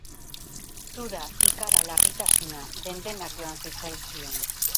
Duda, ikara, larritasuna, den-denak joan zitzaizkion.